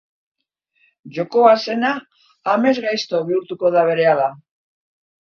Jokoa zena, amesgaizto bihurtuko da berehala.